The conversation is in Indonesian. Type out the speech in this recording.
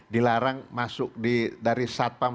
dilarang masuk dari satpam